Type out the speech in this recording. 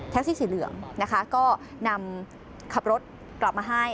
สีเหลืองนะคะก็นำขับรถกลับมาให้